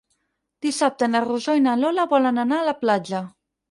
Dissabte na Rosó i na Lola volen anar a la platja.